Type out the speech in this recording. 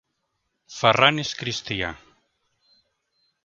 Ferran és cristià.